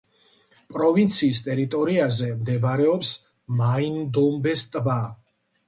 პროვინციის ტერიტორიაზე მდებარეობს მაი-ნდომბეს ტბა.